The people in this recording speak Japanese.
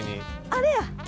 あれや！